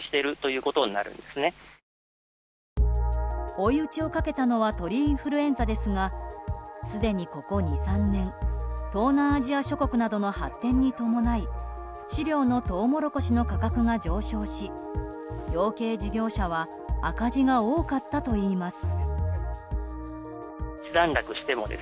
追い打ちをかけたのは鳥インフルエンザですがすでに、ここ２３年東南アジア諸国などの発展に伴い飼料のトウモロコシの価格が上昇し養鶏事業者は赤字が多かったといいます。